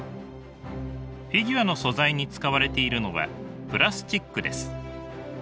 フィギュアの素材に使われているのはプラスチックです。